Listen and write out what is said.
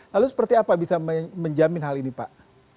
lalu seperti apa bisa menjamin hal ini pak